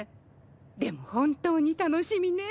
でも本当に楽しみね。